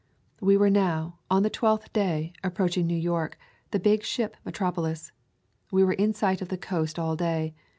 We were now, on the twelfth day, approach ing New York, the big ship metropolis. We were in sight of the coast all day.